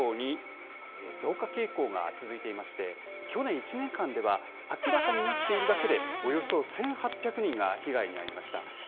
増加傾向が続いていまして去年１年間では明らかになっているだけでおよそ１８００人が被害に遭いました。